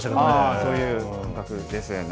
そういう感覚ですよね。